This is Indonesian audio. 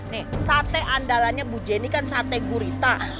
nih sate andalannya bu jenny kan sate gurita